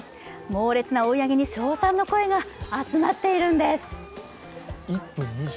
猛烈な追い上げに賞賛の声が集まっているんです。